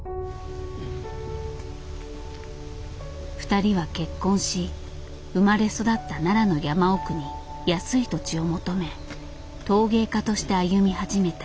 ふたりは結婚し生まれ育った奈良の山奥に安い土地を求め陶芸家として歩み始めた。